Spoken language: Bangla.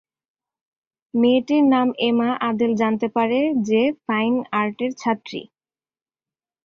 মেয়েটির নাম এমা আদেল জানতে পারে, যে ফাইন আর্টের ছাত্রী।